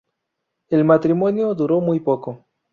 El matrimonio duró muy poco.